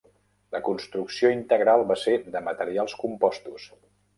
La construcció integral va ser de materials compostos.